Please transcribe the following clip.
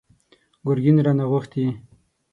ګرګين رانه غوښتي!